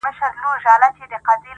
• هر کور کي لږ غم شته,